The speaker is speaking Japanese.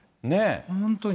本当に。